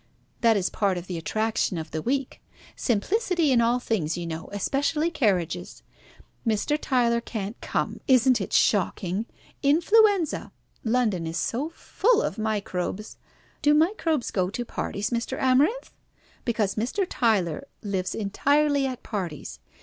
That is part of the attraction of the week. Simplicity in all things, you know, especially carriages. Mr. Tyler can't come. Isn't it shocking? Influenza. London is so full of microbes. Do microbes go to parties, Mr. Amarinth? because Mr. Tyler lives entirely at parties.